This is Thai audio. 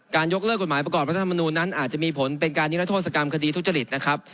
ยกเลิกกฎหมายประกอบรัฐธรรมนูลนั้นอาจจะมีผลเป็นการนิรัทธศกรรมคดีทุจริตนะครับ